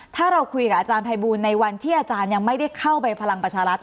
ถ้าเราคุยกับอาจารย์ภัยบูลในวันที่อาจารย์ยังไม่ได้เข้าไปพลังประชารัฐ